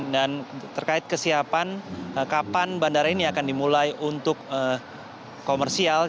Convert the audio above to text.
dan terkait kesiapan kapan bandara ini akan dimulai untuk komersial